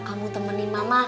kamu temenin mama